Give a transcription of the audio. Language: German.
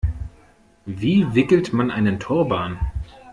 Wie wickelt man einen Turban?